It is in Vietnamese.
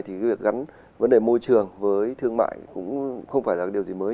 thì việc gắn vấn đề môi trường với thương mại cũng không phải là điều gì mới